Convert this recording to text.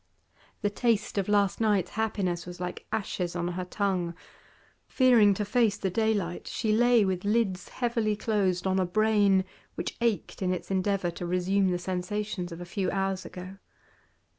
The taste of last night's happiness was like ashes on her tongue; fearing to face the daylight, she lay with lids heavily closed on a brain which ached in its endeavour to resume the sensations of a few hours ago.